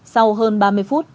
sau hơn ba mươi phút